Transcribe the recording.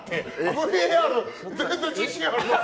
ＶＡＲ絶対自信あります。